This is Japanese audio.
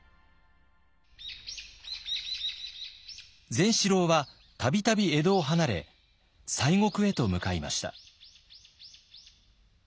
善四郎は度々江戸を離れ西国へと向かいました。